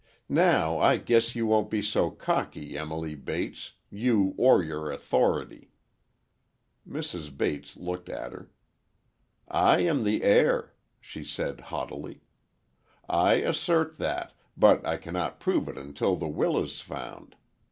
"Now, I guess you won't be so cocky, Emily Bates—you or your 'authority!'" Mrs. Bates looked at her. "I am the heir," she said haughtily. "I assert that—but I cannot prove it until the will is found.